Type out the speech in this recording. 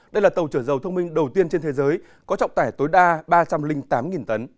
đây là tàu chở dầu thông minh đầu tiên trên thế giới có trọng tải tối đa ba trăm linh tám tấn